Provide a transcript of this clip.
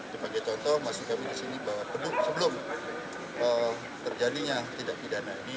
sebagai contoh maksud kami di sini bahwa peduh sebelum terjadinya tidak pidana